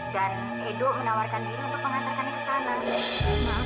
dan edo menawarkan diri untuk mengantarkannya ke sana